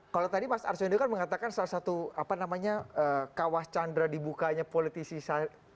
kalau tadi mas arsindo kan mengatakan salah satu apa namanya kawah chandra dibukanya politisi sarah